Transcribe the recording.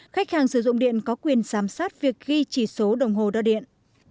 khách hàng sử dụng điện có quyền giám sát việc ghi chỉ số đồng hồ đo điện